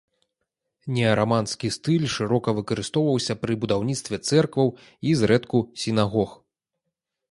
Неараманскі стыль шырока выкарыстоўваўся пры будаўніцтве цэркваў, і, зрэдку, сінагог.